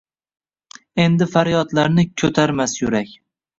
Endi faryodlarni koʻtarmas yurak.